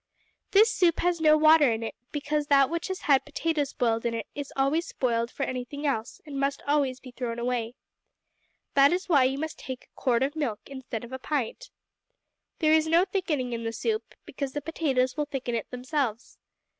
This soup has no water in it, because that which has had potatoes boiled in it is always spoiled for anything else and must always be thrown away. This is why you must take a quart of milk instead of a pint. There is no thickening in the soup, because the potatoes will thicken it themselves.